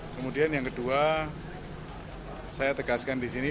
kemudian yang kedua saya tegaskan di sini